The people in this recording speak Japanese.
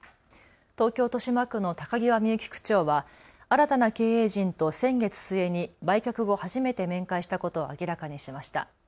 東京豊島区の高際みゆき区長は新たな経営陣と先月末に売却後、初めて面会したことを明らかにしました。